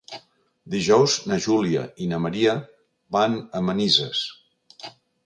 Dijous na Júlia i na Maria van a Manises.